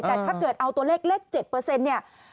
แต่ถ้าเกิดเอาตัวเลขเลข๗เนี่ย